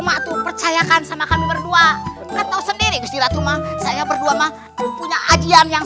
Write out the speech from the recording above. maksud percayakan sama kami berdua atau sendiri istirahat rumah saya berdua mah punya ajian yang